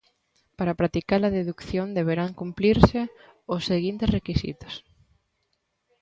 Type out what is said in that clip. Para practica-la deducción deberán cumplirse os seguintes requisitos: